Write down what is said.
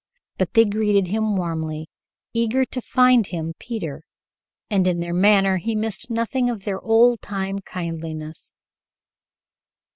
But they greeted him warmly, eager to find him Peter, and in their manner he missed nothing of their old time kindliness.